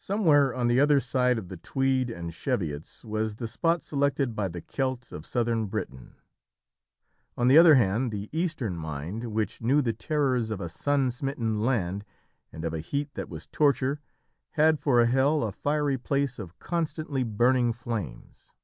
Somewhere on the other side of the Tweed and Cheviots was the spot selected by the Celt of southern Britain. On the other hand, the eastern mind, which knew the terrors of a sun smitten land and of a heat that was torture, had for a hell a fiery place of constantly burning flames.